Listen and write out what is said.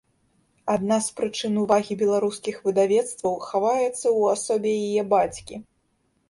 Адна з прычын увагі беларускіх выдавецтваў хаваецца ў асобе яе бацькі.